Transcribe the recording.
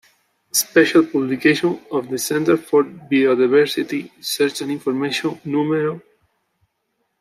Special Publication of the Center for Biodiversity Research and Information, núm.